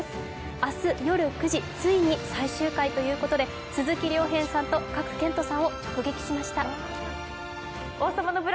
明日夜９時ついに最終回ということで、鈴木亮平さんと賀来賢人さんを直撃しました。